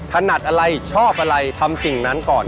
ถนัดอะไรชอบอะไรทำสิ่งนั้นก่อน